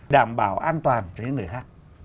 đảm bảo an toàn cho những người khác